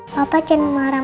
papa jangan marah marah ya